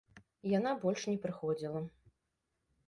Яна больш не прыходзіла.